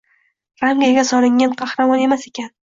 “ramka”ga solinadigan qahramon emas ekan.